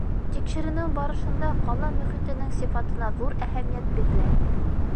Тикшеренеү барышында ҡала мөхитенең сифатына ҙур әһәмиәт бирелә.